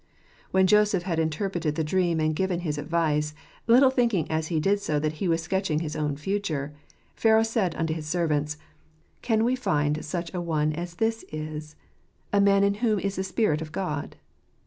When Joseph had interpreted the dream and given his advice — little thinking as he did so that he was sketching his own future — Pharaoh said unto his servants, "Can we find such an one as this is, a man in whom is the Spirit of God?"